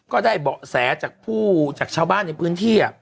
ก็ได้เบาะแสจากผู้จากชาวบ้านในพื้นที่